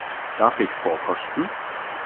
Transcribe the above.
Darf ich vorkosten?